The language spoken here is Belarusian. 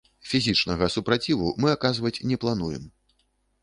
Фізічнага супраціву мы аказваць не плануем.